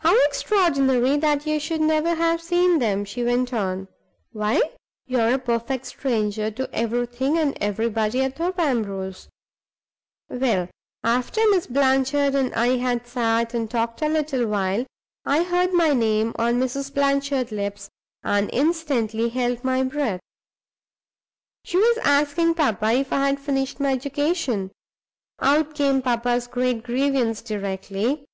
"How extraordinary that you should never have seen them!" she went on. "Why, you are a perfect stranger to everything and everybody at Thorpe Ambrose! Well, after Miss Blanchard and I had sat and talked a little while, I heard my name on Mrs. Blanchard's lips and instantly held my breath. She was asking papa if I had finished my education. Out came papa's great grievance directly.